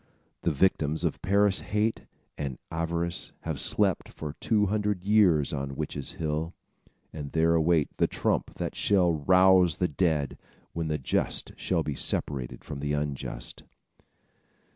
The victims of Parris' hate and avarice have slept for two hundred years on Witches' Hill, and there await the trump that shall rouse the dead, when the just shall be separated from the unjust.